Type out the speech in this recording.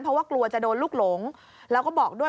เพราะว่ากลัวจะโดนลูกหลงแล้วก็บอกด้วย